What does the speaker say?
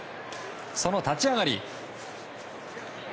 その立ち上がり。